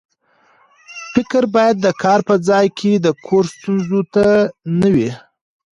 فکر باید د کار په ځای کې د کور ستونزو ته نه وي.